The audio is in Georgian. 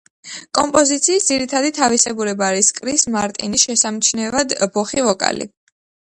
კომპოზიციის ძირითადი თავისებურება არის კრის მარტინის შესამჩნევად ბოხი ვოკალი.